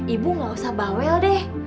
ibu gak usah bawel deh